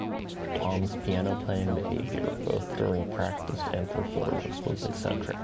Tom's piano-playing behavior, both during practice and performance, was eccentric.